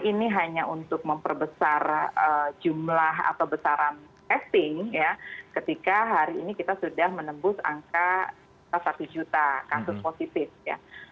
ini hanya untuk memperbesar jumlah atau besaran testing ya ketika hari ini kita sudah menembus angka satu juta kasus positif ya